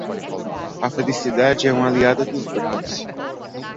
A felicidade é uma aliada dos bravos.